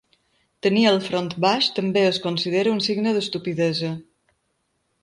Tenir el front baix també es considera un signe d'estupidesa.